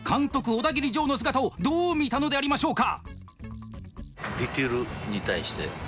オダギリジョーの姿をどう見たのでありましょうか？